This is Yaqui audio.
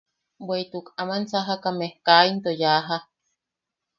Bweʼituk aman sajakame kaa into yaaja.